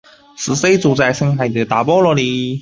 球队现在参加罗马尼亚足球甲级联赛的赛事。